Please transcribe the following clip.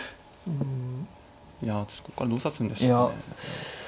いやそこからどう指すんでしたかね。